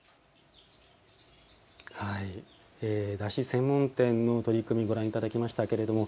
だし専門店の取り組みご覧いただきましたけれども。